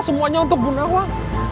semuanya untuk bu nawang